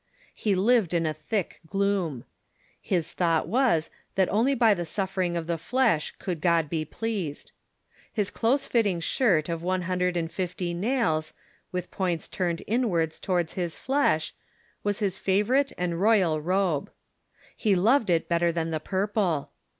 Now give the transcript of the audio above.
He lived in thick gloom. His thought was, that only by the suffering of the flesh could God be pleased. His close fitting shirt of one hundred and fifty nails, with points turned towards his flesh, was his favor ite and royal robe. He loved it better than the purple.